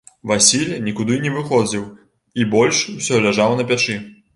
Васіль нікуды не выходзіў і больш усё ляжаў на печы.